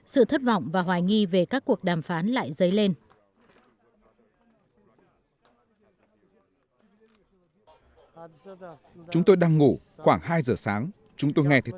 sự thất vọng và hoài nghi về các cuộc đàm phán lại dấy lên